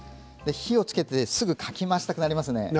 火をつけてすぐかき回したくなります。